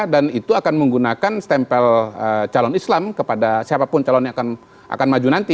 dan itu akan menggunakan stempel calon islam kepada siapapun calon yang akan maju nanti